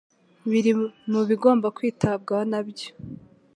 biri mu bigomba kwitabwaho nabyo